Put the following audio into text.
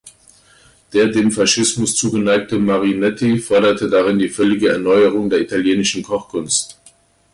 Der dem Faschismus zugeneigte Marinetti forderte darin die völlige Erneuerung der italienischen Kochkunst.